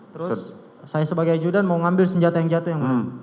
terus saya sebagai ajudan mau ngambil senjata yang jatuh yang mulia